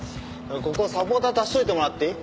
ここサポーター足しておいてもらっていい？